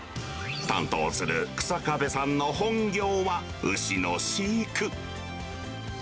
担当するくさかべさんの本業は、牛の飼育。